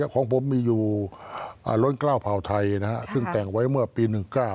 ของผมมีอยู่ล้นกล้าวเผ่าไทยซึ่งแต่งไว้เมื่อปี๑๙